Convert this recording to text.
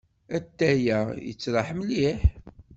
Atay-a yettraḥ mliḥ.